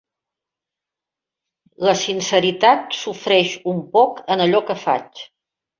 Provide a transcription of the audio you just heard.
La sinceritat sofreix un poc en allò que faig;